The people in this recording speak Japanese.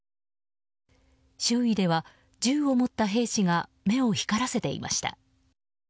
周囲では銃を持った兵士が目を光らせていました。